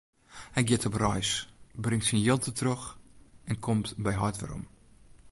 Hy giet op reis, bringt syn jild dertroch en komt by heit werom.